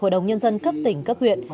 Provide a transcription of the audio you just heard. hội đồng nhân dân cấp tỉnh cấp huyện